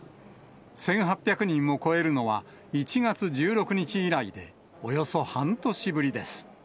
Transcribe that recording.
１８００人を超えるのは１月１６日以来で、およそ半年ぶりです。